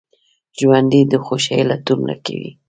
ژوندي د خوښۍ لټون کوي